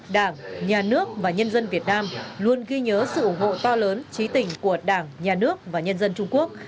đảng nhà nước và nhân dân việt nam luôn ghi nhớ sự ủng hộ to lớn trí tình của đảng nhà nước và nhân dân trung quốc